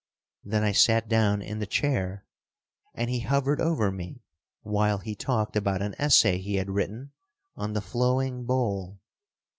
Then I sat down in the chair, and he hovered over me while he talked about an essay he had written on the flowing bowl.